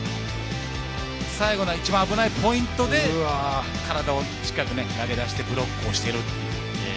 最後の一番危ないポイントで体をしっかり投げ出してブロックしているという。